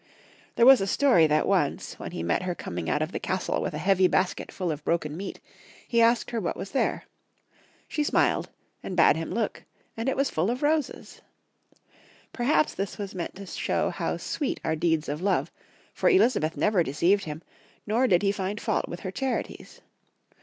There was a story that once, when he met her coming out of the castle with a heavy basket full of broken meat, he asked her what was there. She smiled, and bade ! him look, and it was full of roses. Perhaps this was meant to show how sweet are deeds of love, for Elizabeth never deceived him, nor did he find fault with her charities.